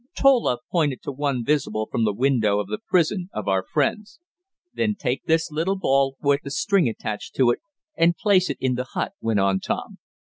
Tola pointed to one visible from the window of the prison of our friends. "Then take this little ball, with the string attached to it, and place it in the hut," went on Tom.